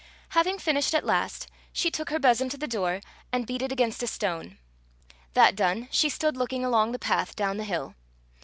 Having finished at last, she took her besom to the door, and beat it against a stone. That done, she stood looking along the path down the hill.